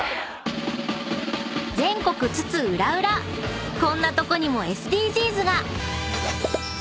［全国津々浦々こんなとこにもＳＤＧｓが！］